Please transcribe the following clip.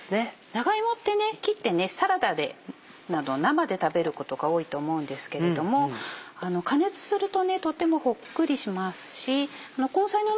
長芋って切ってサラダでなど生で食べることが多いと思うんですけれども加熱するととてもほっくりしますし根菜の